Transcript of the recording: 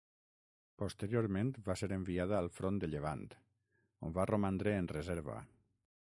Posteriorment va ser enviada al front de Llevant, on va romandre en reserva.